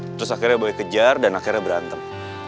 terus akhirnya boleh kejar dan akhirnya berantem